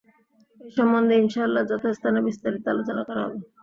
এ সম্বন্ধে ইনশাআল্লাহ যথাস্থানে বিস্তারিত আলোচনা করা হবে।